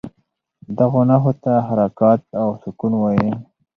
دغو نښو ته حرکات او سکون وايي.